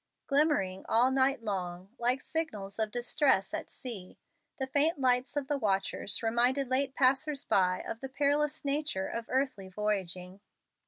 Glimmering all night long, like signals of distress at sea, the faint lights of the watchers reminded late passers by of the perilous nature of earthly voyaging.